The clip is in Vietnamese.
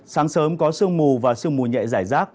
sáng sớm có sương mù và sương mù nhẹ giải rác